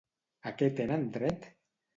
A què tenen dret?